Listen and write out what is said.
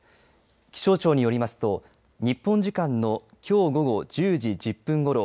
気象庁によりますと日本時間のきょう午後１０時１０分ごろ